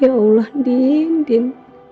ya allah din